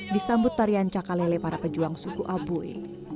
disambut tarian cakalele para pejuang suku abui